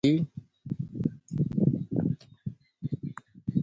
Anosmia can occur on both sides or a single side.